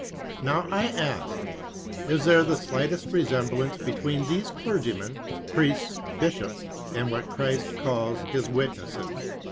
Now I ask: Is there the slightest resemblance between these clergymen, priests, bishops, and what Christ calls his witnesses?